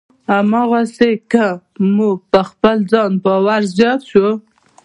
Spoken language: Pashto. همداسې که مو په خپل ځان باور زیات شو.